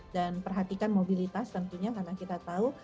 dan perhatikan mobilitas tentunya karena kita tahu